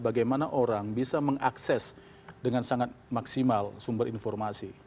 bagaimana orang bisa mengakses dengan sangat maksimal sumber informasi